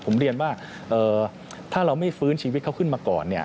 ผมเรียนว่าถ้าเราไม่ฟื้นชีวิตเขาขึ้นมาก่อน